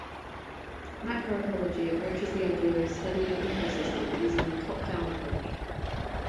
Macroecology approaches the idea of studying ecosystems using a "top down" approach.